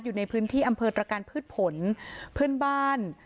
อยู่ในพื้นที่อำเภอตรการพืชผลเพื่อนบ้าน